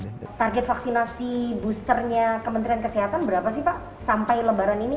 target vaksinasi boosternya kementerian kesehatan berapa sih pak sampai lebaran ini